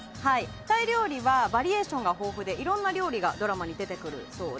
タイ料理はバリエーションが豊富でいろんな料理がドラマに出てくるそうで。